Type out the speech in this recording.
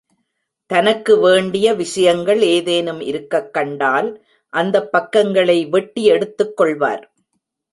தனக்கு வேண்டிய விஷயங்கள் ஏதேனும் இருக்கக் கண்டால் அந்தப் பக்கங்களை வெட்டி எடுத்துக் கொள்வார்.